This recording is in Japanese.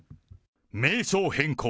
名称変更。